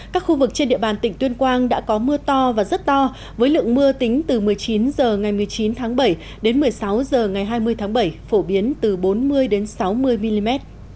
các khu vực trên địa bàn tỉnh tuyên quang đã có mưa to và rất to với lượng mưa tính từ một mươi chín h ngày một mươi chín tháng bảy đến một mươi sáu h ngày hai mươi tháng bảy phổ biến từ bốn mươi đến sáu mươi mm